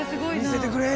見せてくれ！